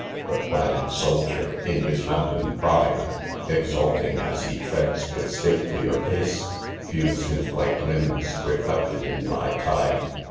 The plaided soldier, in Ms" mountain:, pride, J£mltmgy&S/H% treads with 'statelier pace,—' Views 'Ms white, limbs reflected in thy tide.